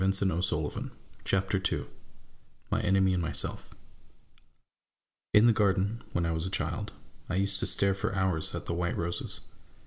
MY ENEMY AND MYSELF MY ENEMY AND MYSELF In the garden, when I was a child, I used to stare for hours at the white roses.